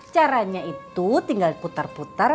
caranya itu tinggal putar putar